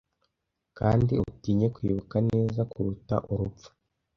kandi utinye kwibuka neza kuruta urupfu